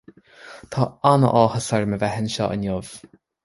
Tá an-áthas orm a bheith anseo inniu.